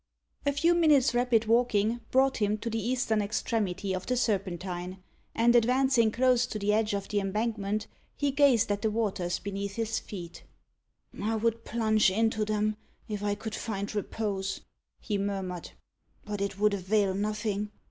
A few minutes' rapid walking brought him to the eastern extremity of the Serpentine, and advancing close to the edge of the embankment, he gazed at the waters beneath his feet. "I would plunge into them, if I could find repose," he murmured. "But it would avail nothing.